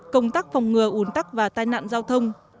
công tác phòng ngừa ủn tắc và tai nạn giao thông